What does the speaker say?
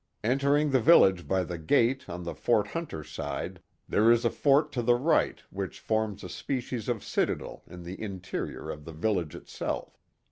Entering the village by the gate on the Fort Hunter side, there is a fort to the right which forms a species of citadel in the interior of the village it self.